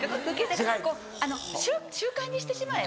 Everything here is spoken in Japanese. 習慣にしてしまえば。